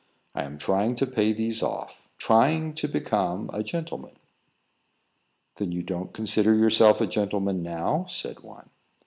I am trying to pay these off trying to become a gentleman." "Then you don't consider yourself a gentleman now?" said one.